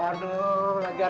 oh keren pat